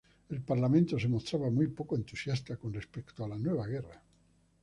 El Parlamento se mostraba muy poco entusiasta con respecto a la nueva guerra.